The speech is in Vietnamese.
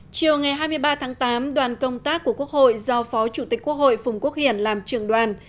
chiều ngày hai mươi ba tháng tám đoàn công tác của quốc hội do phó chủ tịch quốc hội phùng quốc hiển làm trường đoàn